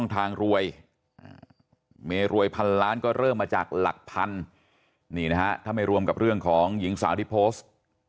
ทางรวยเมรวยพันล้านก็เริ่มมาจากหลักพันนี่นะฮะถ้าไม่รวมกับเรื่องของหญิงสาวที่โพสต์